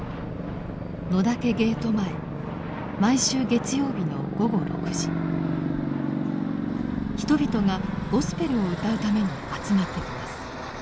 毎週月曜日の午後６時人々がゴスペルを歌うために集まってきます。